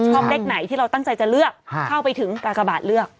เลขไหนที่เราตั้งใจจะเลือกเข้าไปถึงกากบาทเลือก